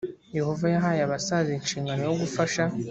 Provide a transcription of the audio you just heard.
yehova yahaye abasaza inshingano yo gufasha